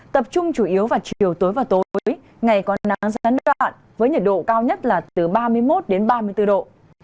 tập trung chủ yếu vào chiều tối và tối ngày có nắng gián đoạn với nhiệt độ cao nhất là từ ba mươi một đến ba mươi bốn độ